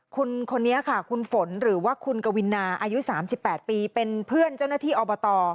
คุณคนนี้ค่ะคุณฝนหรือว่าคุณกวินาอายุ๓๘ปีเป็นเพื่อนเจ้าหน้าที่อบต